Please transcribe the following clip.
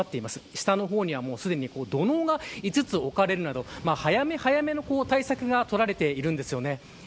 下の方にはすでに、土のうが５つ置かれるなど早め早めの対策が取られているんですよね。